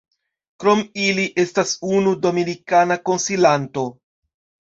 Krom ili, estas unu dominikana konsilanto.